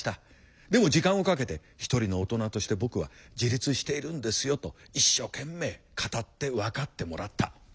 でも時間をかけて「一人の大人として僕は自立しているんですよ」と一生懸命語って分かってもらった。